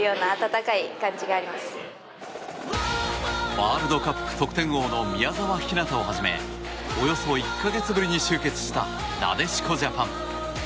ワールドカップ得点王の宮澤ひなたをはじめおよそ１か月ぶりに集結したなでしこジャパン。